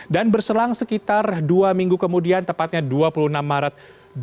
dan berselang sekitar dua minggu kemudian tepatnya dua puluh enam maret dua ribu dua puluh tiga